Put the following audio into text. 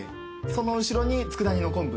その後ろに佃煮の昆布。